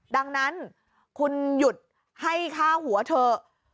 ดังนั้นคุณหยุดให้ค่าหัวเถอะ